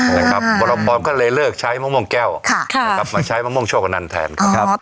บรพรก็เลยเลิกใช้มะม่วงแก้วมาใช้มะม่วงโชคพนันแทนครับ